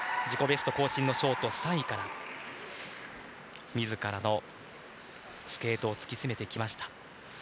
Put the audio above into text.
自己ベスト更新のショート３位からみずからのスケートを突き詰めてきました。